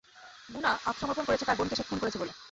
গুনা আত্মসমর্পণ করেছে তোর বোনকে সে খুন করেছে বলে।